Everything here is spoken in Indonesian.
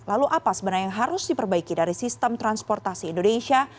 lalu apa sebenarnya yang harus diperbaiki dari sistem transportasi indonesia